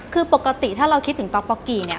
คือปกติถ้าเราคิดถึงต๊อกป๊อกกี้เนี่ย